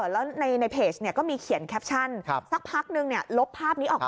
แล้วในเพจก็มีเขียนแคปชั่นสักพักนึงลบภาพนี้ออกมา